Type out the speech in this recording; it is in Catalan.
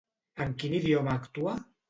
En quin idioma actua?